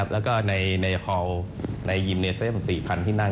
แล้วก็ในหอล์กิราณีเซอม๔๐๐๐เมตรที่นั่ง